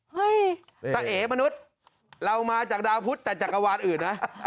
เฮ้ยตะเอมนุษย์เรามาจากดาวพุทธแต่จักรวาลอื่นนะ